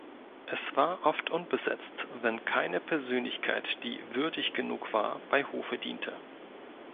Es war oft unbesetzt, wenn keine Persönlichkeit, die „würdig“ genug war, bei Hofe diente.